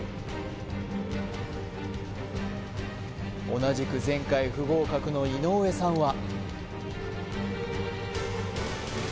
同じく前回不合格の井上さんは？